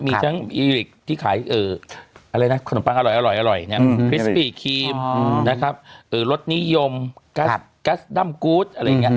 มีทั้งอีลิกที่ขายขนมปังอร่อยคริสปี่ครีมนะครับรสนิยมกัสดำกู๊ดอะไรอย่างนี้